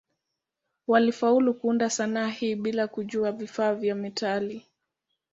Walifaulu kuunda sanaa hii bila kujua vifaa vya metali.